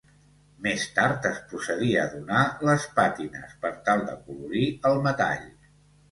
Més tard es procedia a donar les pàtines, per tal d'acolorir el metall.